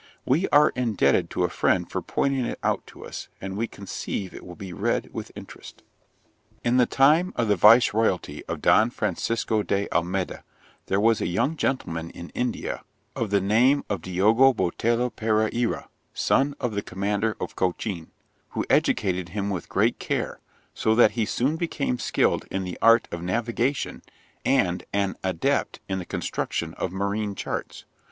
We are indebted to a friend for pointing it out to us, and we conceive it will be read with interest. 'In the time of the vice royalty of Don Francisco de Almeyda there was a young gentleman in India of the name of Diogo Botelho Perreira, son of the commander of Cochin, who educated him with great care, so that he soon became skilled in the art of navigation, and an adept in the construction of marine charts.